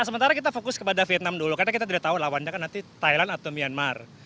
sementara kita fokus kepada vietnam dulu karena kita tidak tahu lawannya kan nanti thailand atau myanmar